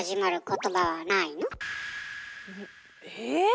え？